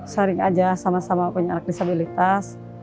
sharing aja sama sama punya anak disabilitas